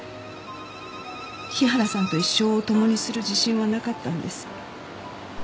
日原さんと一生を共にする自信はなかったんです。